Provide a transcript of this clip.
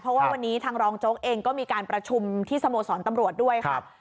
เพราะว่าวันนี้ทางรองโจ๊กเองก็มีการประชุมที่สโมสรตำรวจด้วยครับ